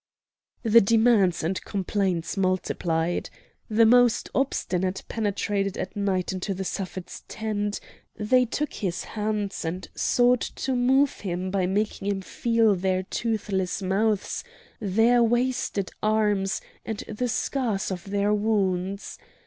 The demands and complaints multiplied. The most obstinate penetrated at night into the Suffet's tent; they took his hands and sought to move him by making him feel their toothless mouths, their wasted arms, and the scars of their wounds.